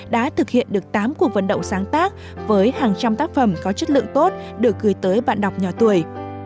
đã thực hiện được tám cuộc vận động sáng tác với hàng trăm tác phẩm có chất lượng tốt được gửi tới bạn đọc nhỏ tuổi